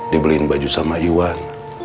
dibeliin baju sama iwan